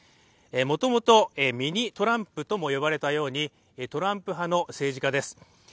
もともとミニトランプとも呼ばれたようにトランプ派の政治家です。